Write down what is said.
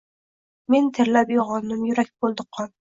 Men terlab uyg’ondim, yurak bo’ldi qon!